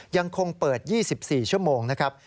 ยังคงเปิด๒๔ชั่วโมงนะครับ